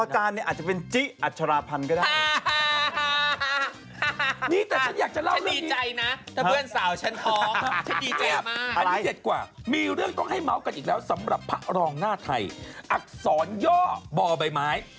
กันอีกแล้วสำหรับผลองหน้าไทยอักษรย่อบลใบไม้อ่า